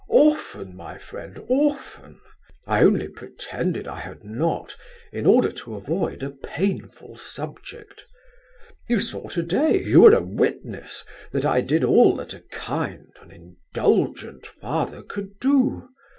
Often, my friend, often! I only pretended I had not in order to avoid a painful subject. You saw today, you were a witness, that I did all that a kind, an indulgent father could do.